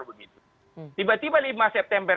begitu tiba tiba lima september